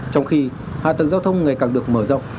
trong khi hạ tầng giao thông ngày càng được mở rộng